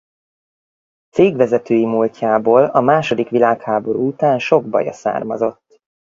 Cégvezetői múltjából a második világháború után sok baja származott.